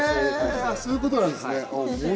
そういうことですね。